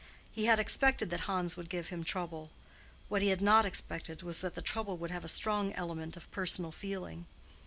He had expected that Hans would give him trouble: what he had not expected was that the trouble would have a strong element of personal feeling.